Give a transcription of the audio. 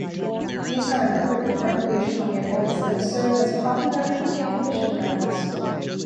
These are important recreational areas, and serve as popular hunting and fishing grounds.